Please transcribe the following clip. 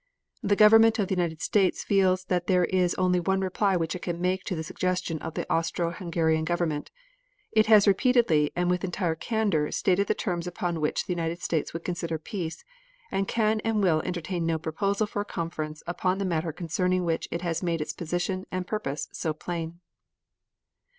"The Government of the United States feels that there is only one reply which it can make to the suggestion of the Austro Hungarian Government. It has repeatedly and with entire candor stated the terms upon which the United States would consider peace, and can and will entertain no proposal for a conference upon the matter concerning which it has made its position and purpose so plain."